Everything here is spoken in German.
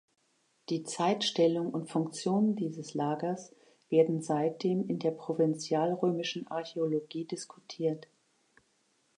Die Zeitstellung und Funktion dieses Lagers werden seitdem in der provinzialrömischen Archäologie diskutiert.